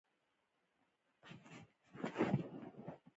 ګیلاس له بېکلامه مینې سره ډک وي.